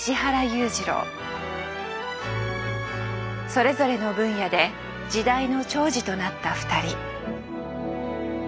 それぞれの分野で時代の寵児となった二人。